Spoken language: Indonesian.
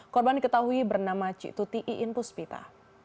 korban diketahui bernama cik tuti iin puspita